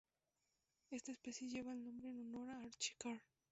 Esta especie lleva el nombre en honor a Archie Carr.